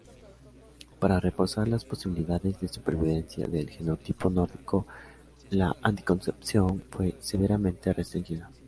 Para reforzar las posibilidades de supervivencia del genotipo nórdico, la anticoncepción fue severamente restringida.